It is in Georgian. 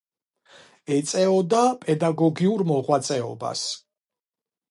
ეწეოდა პედაგოგიურ მოღვაწეობას.